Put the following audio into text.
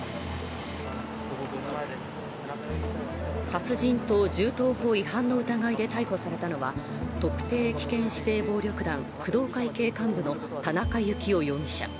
殺人と銃刀法違反の疑いで逮捕されたのは特定危険指定暴力団・工藤会系幹部の田中幸雄容疑者。